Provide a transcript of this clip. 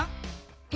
え？